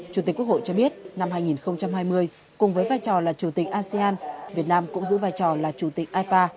chủ tịch quốc hội cho biết năm hai nghìn hai mươi cùng với vai trò là chủ tịch asean việt nam cũng giữ vai trò là chủ tịch ipa